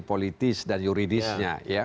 politis dan yuridisnya